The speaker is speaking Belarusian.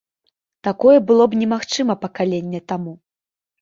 Такое было б немагчыма пакаленне таму.